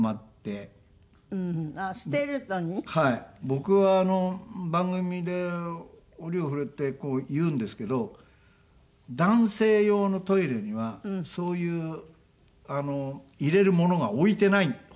僕は番組で折を触れてこう言うんですけど男性用のトイレにはそういう入れるものが置いてないほとんど。